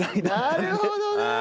なるほどね！